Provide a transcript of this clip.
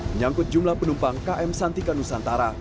menyangkut jumlah penumpang km santika nusantara